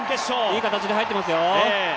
いい形で入っていますよ。